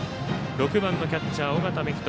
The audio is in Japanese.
６番のキャッチャー、尾形樹人。